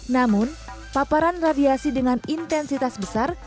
namun paparan radiasi dengan intensitas besar